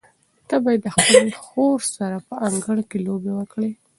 ته باید د خپلې خور سره په انګړ کې لوبې وکړې.